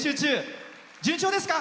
順調ですか？